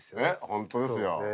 本当ですよ。